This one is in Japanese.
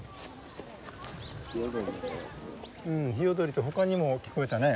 ヒヨドリと他にも聞こえたね。